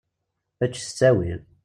Ečč s ttawil.